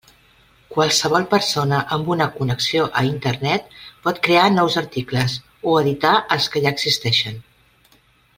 Qualsevol persona amb una connexió a Internet pot crear nous articles, o editar els que ja existeixen.